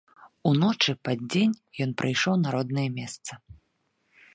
Уночы, пад дзень, ён прыйшоў на роднае месца.